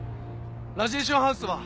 ラジエーションハウスは？